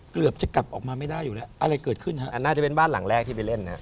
เขามาอยู่ที่เราเล่นพอดี